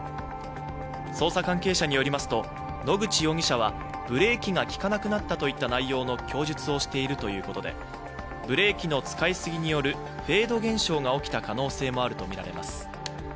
捜査関係者に寄りますと野口容疑者はブレーキがきかなくなったという内容の供述をしているということで、ブレーキの使いすぎによるフェード現象が起きた可能性もあるとみられます。